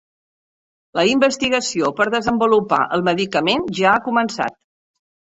La investigació per desenvolupar el medicament ja ha començat